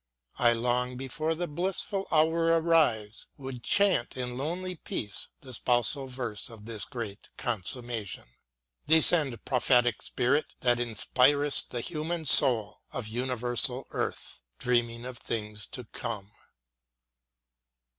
I, long before the blissful hour arrives, Would chant, in lonely peace, the spousal verse Of this great consummation : Descend, prophetic Spirit ! that inspir'st The human Soul of universal earth, Dreaming on things to come.